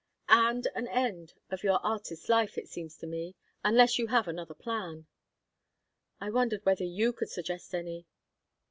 "And an end of your artist life, it seems to me. Unless you have any other plan?" "I wondered whether you could suggest any."